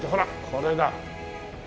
これだ。